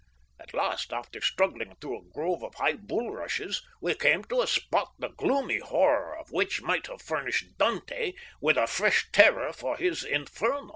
At last, after struggling through a grove of high bulrushes, we came on a spot the gloomy horror of which might have furnished Dante with a fresh terror for his "Inferno."